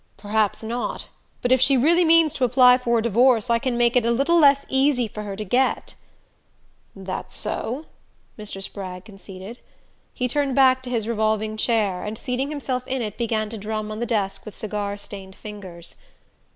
"Perhaps not. But if she really means to apply for a divorce I can make it a little less easy for her to get." "That's so," Mr. Spragg conceded. He turned back to his revolving chair, and seating himself in it began to drum on the desk with cigar stained fingers.